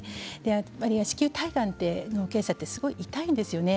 やっぱり子宮体がんの検査ってすごく痛いんですね。